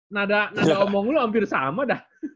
nada omong lo hampir sama dah